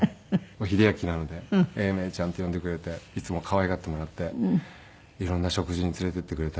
英明なので「エイメイちゃん」って呼んでくれていつも可愛がってもらって色んな食事に連れて行ってくれたり。